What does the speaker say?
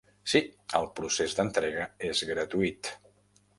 Sí, el procés d'entrega és gratuït.